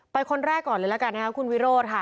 คนแรกก่อนเลยละกันนะคะคุณวิโรธค่ะ